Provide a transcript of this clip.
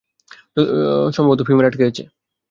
সম্ভবত ফিমারে আটকে গেছে।